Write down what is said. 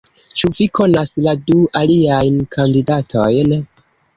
Ĉu vi konas la du aliajn kandidatojn?